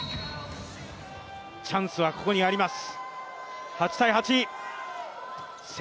チャンスはここにあります。